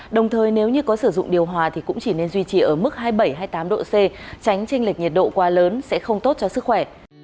đồng thời nếu như có sử dụng điều hòa thì cũng chỉ nên duy trì ở mức hai mươi bảy hai mươi tám độ c tránh tranh lệch nhiệt độ quá lớn sẽ không tốt cho sức khỏe